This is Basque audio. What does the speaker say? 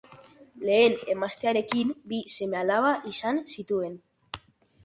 Lehen emaztearekin bi seme-alaba izan zituen.